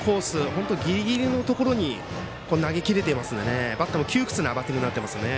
本当、ギリギリのところに投げ切れていますのでバッターも窮屈なバッティングになってますよね。